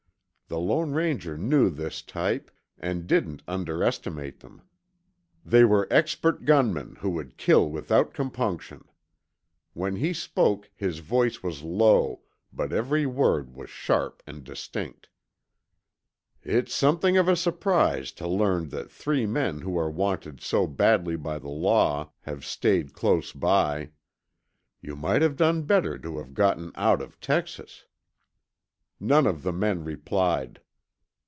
The Lone Ranger knew this type, and didn't underestimate them. They were expert gunmen who would kill without compunction. When he spoke, his voice was low, but every word was sharp and distinct. "It's something of a surprise to learn that three men who are wanted so badly by the law have stayed close by. You might have done better to have gotten out of Texas." None of the men replied.